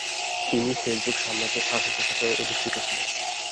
তিনি সেলজুক সাম্রাজ্যের শাসক হিসেবেও অধিষ্ঠিত ছিলেন।